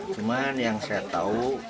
cuman yang saya tahu